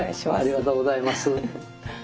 ありがとうございます。